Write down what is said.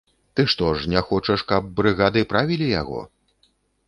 Ты што ж, не хочаш, каб брыгады правілі яго?